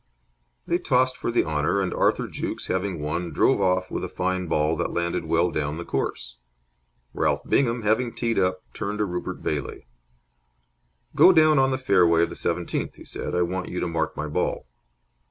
They tossed for the honour, and Arthur Jukes, having won, drove off with a fine ball that landed well down the course. Ralph Bingham, having teed up, turned to Rupert Bailey. "Go down on to the fairway of the seventeenth," he said. "I want you to mark my ball."